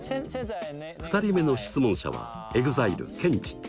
２人目の質問者はＥＸＩＬＥケンチ。